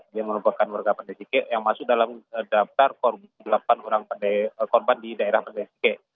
dia merupakan warga pandai sike yang masuk dalam daftar korban di daerah pandai sike